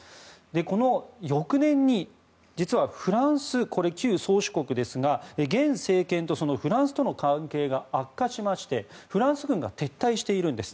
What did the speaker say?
この翌年に実はフランスこれは旧宗主国ですが現政権とそのフランスとの関係が悪化しましてフランス軍が撤退してるんです。